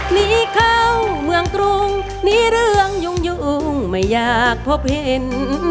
หนีเข้าเมืองกรุงหนีเรื่องยุ่งไม่อยากพบเห็น